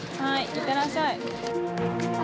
行ってらっしゃい。